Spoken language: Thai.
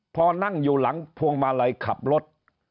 พอนั่งอยู่หลังพวงมาลัยขับรถ